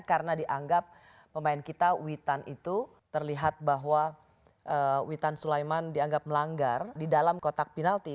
karena dianggap pemain kita witan itu terlihat bahwa witan sulaiman dianggap melanggar di dalam kotak penalti